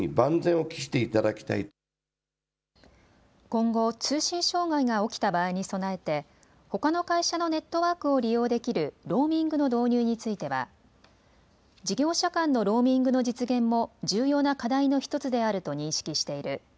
今後、通信障害が起きた場合に備えてほかの会社のネットワークを利用できるローミングの導入については事業者間のローミングの実現も重要な課題の１つであると認識している。